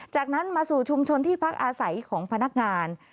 จากนั้นมาสู่ชุมชนที่พักอาศัยของพนักงาน